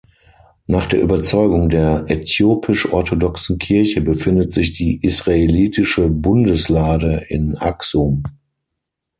Nach der Überzeugung der äthiopisch-orthodoxen Kirche befindet sich die israelitische Bundeslade in Aksum.